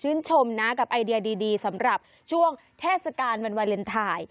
ชมนะกับไอเดียดีสำหรับช่วงเทศกาลวันวาเลนไทย